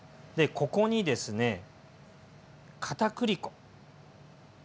ここにですねかたくり粉。